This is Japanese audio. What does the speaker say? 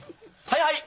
はい。